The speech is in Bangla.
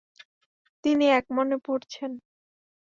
তিনি একমনে পড়ছেন।